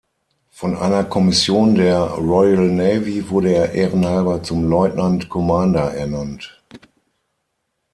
Von einer Kommission der Royal Navy wurde er ehrenhalber zum Lieutenant Commander ernannt.